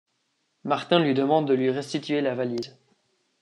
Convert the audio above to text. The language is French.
Martin lui demande de lui restituer la valise.